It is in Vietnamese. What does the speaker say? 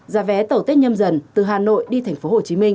giá vé tàu tết nhâm dần từ hà nội đi tp hcm